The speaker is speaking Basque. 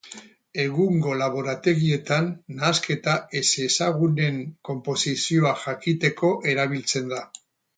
Egungo laborategietan nahasketa ezezagunen konposizioa jakiteko erabiltzen da.